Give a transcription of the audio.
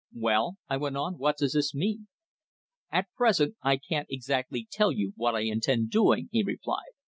"Well?" I went on. "What does this mean?" "At present I can't exactly tell you what I intend doing," he replied.